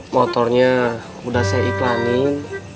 motornya udah saya iklanin